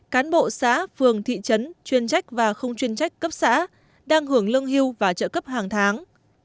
cán bộ xã phường thị trấn chuyên trách và không chuyên trách cấp xã đang hưởng lương hưu và trợ cấp hàng tháng